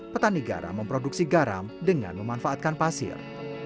petani garam memproduksi garam dengan memanfaatkan pasir